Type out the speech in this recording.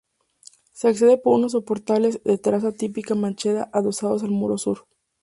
Se accede por unos soportales de traza típica manchega, adosados al muro Sur.